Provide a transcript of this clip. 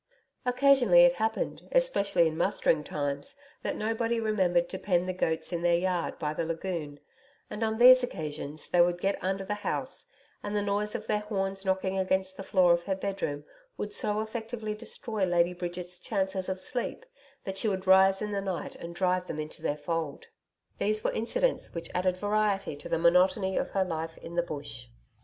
Occasionally it happened, especially in mustering times, that nobody remembered to pen the goats in their yard by the lagoon, and on these occasions they would get under the house, and the noise of their horns knocking against the floor of her bedroom would so effectively destroy Lady Bridget's chances of sleep that she would rise in the night and drive them into their fold. These were incidents which added variety to the monotony of her life in the Bush.